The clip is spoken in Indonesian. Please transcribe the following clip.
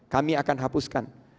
kami akan hapuskan